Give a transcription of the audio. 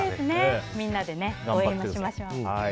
みんなで応援もしましょう。